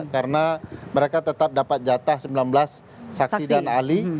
karena mereka tetap dapat jatah sembilan belas saksi dan ahli